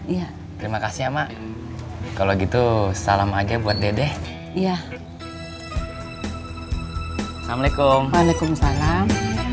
iya terima kasih ya mak kalau gitu salam aja buat dede iya assalamualaikum waalaikumsalam